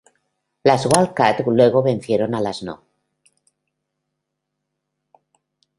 Las Wildcat luego vencieron a las No.